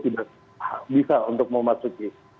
tidak bisa untuk memasuki